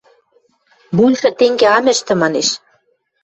Большы тенге ам ӹштӹ, – манеш.